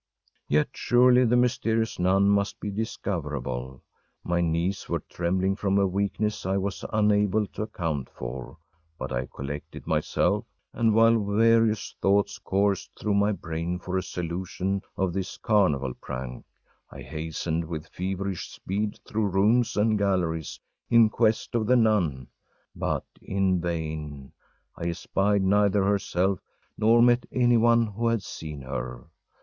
Yet surely the mysterious nun must be discoverable. My knees were trembling from a weakness I was unable to account for, but I collected myself, and while various thoughts coursed through my brain for a solution of this carnival prank, I hastened with feverish speed through rooms and galleries in quest of the nun. But in vain. I espied neither herself, nor met anyone who had seen her.